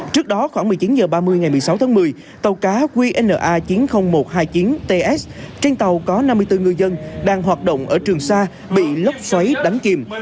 trước đó khoảng một mươi chín h ba mươi ngày một mươi sáu tháng một mươi tàu cá qna chín mươi nghìn một trăm hai mươi chín ts trên tàu có năm mươi bốn ngư dân đang hoạt động ở trường sa bị lốc xoáy đánh kìm